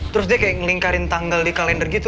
terus dia kayak ngelingkarin tanggal di kalender gitu